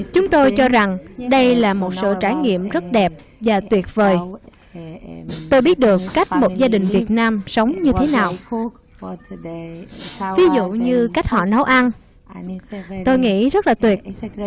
chúng tôi cho rằng đây là một sổ trải nghiệm rất đẹp và tuyệt vời tôi biết được cách một gia đình việt nam sống như thế nào ví dụ như cách họ nấu ăn tôi nghĩ rất là tuyệt